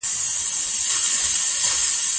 ګیدړ وویل اوبه مي دي میندلي